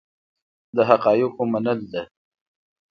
د حقایقو منل ده.